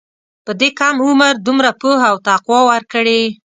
په دې کم عمر دومره پوهه او تقوی ورکړې.